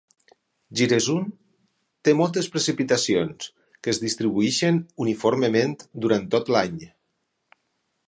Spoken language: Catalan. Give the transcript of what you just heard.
Giresun té moltes precipitacions, que es distribueixen uniformement durant tot l'any.